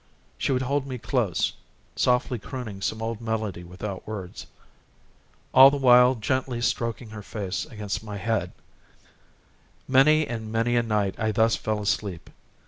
She would hold me close, softly crooning some old melody without words, all the while gently stroking her face against my head; many and many a night I thus fell asleep.